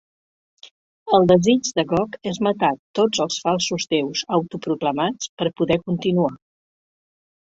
El desig de Gog és matar tots els falsos déus autoproclamats per poder continuar.